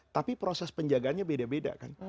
tapi proses penjagaannya beda beda kan